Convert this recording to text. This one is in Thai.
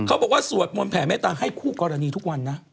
เขาบอกว่าสวดมนแผมเมตตาให้คู่กรณีทุกวันนะ